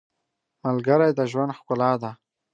• ملګری د ژوند ښکلا ده.